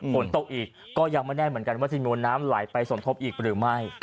ฝนตกอีกก็ยังไม่แน่เหมือนกันว่าจะมีมวลน้ำไหลไปสมทบอีกหรือไม่